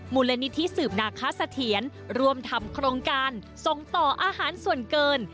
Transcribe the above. มูลนิธิสืบนาคสะเทียนร่วมทำโครงการส่งต่ออาหารส่วนเกิน